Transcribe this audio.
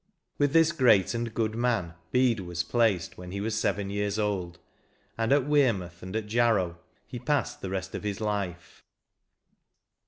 With this great and good man Bede was placed when he was seven years old, and at Wearmouth and at Jarrow he passed the rest of his life.